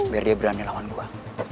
biar dia berani lawan gua